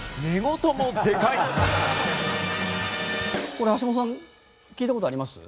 これ橋本さん聞いた事あります？